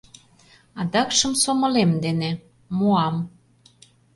Адакшым сомылем дене... муам...